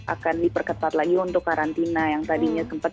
akan diperketat lagi untuk karantina yang tadinya sempat